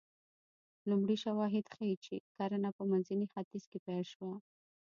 لومړي شواهد ښيي چې کرنه په منځني ختیځ کې پیل شوه